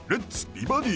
美バディ」